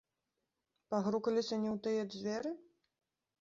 Пагрукаліся не ў тыя дзверы?